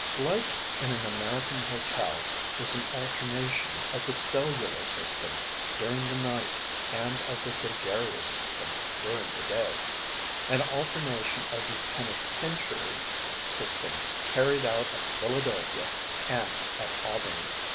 Life in an American hotel is an alternation of the cellular system during the night and of the gregarious system during the day, an alternation of the penitentiary systems carried out at Philadelphia and at Auburn.